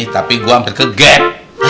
tapi gue hampir ke gap